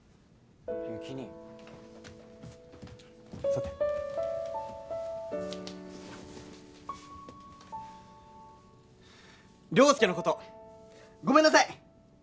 有起兄？座って良介のことごめんなさい